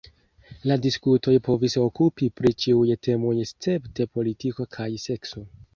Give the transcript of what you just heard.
La diskutoj povis okupi pri ĉiuj temoj escepte politiko kaj sekso.